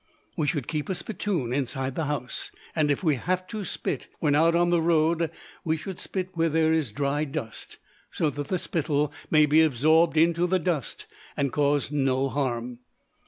We should keep a spittoon inside the house, and if we have to spit when out on the road we should spit where there is dry dust, so that the spittle may be absorbed into the dust and cause no harm.